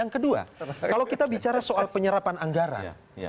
yang kedua kalau kita bicara soal penyerapan anggaran